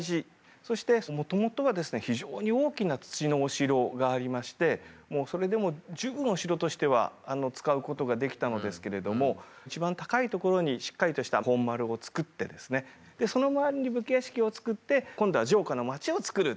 そしてもともとはですね非常に大きな土のお城がありましてもうそれでも十分お城としては使うことができたのですけれども一番高い所にしっかりとした本丸を造ってですねでその周りに武家屋敷を造って今度は城下のまちをつくるっていうですね